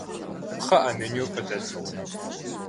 Кхъыӏэ, менюр къыдэтыт!